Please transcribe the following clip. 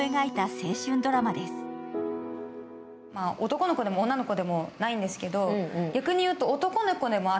男の子でも女の子でもないんですけど。